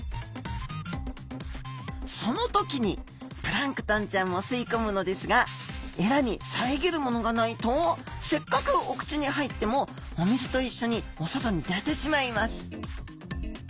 その時にプランクトンちゃんも吸い込むのですがエラに遮るものがないとせっかくお口に入ってもお水と一緒にお外に出てしまいます